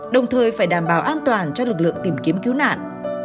đồng thời phải đảm bảo an toàn cho lực lượng tìm kiếm cứu nạn